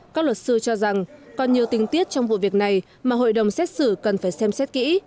các luật sư cho rằng còn nhiều tình tiết trong vụ việc này mà hội đồng xét xử cần phải xem xét kỹ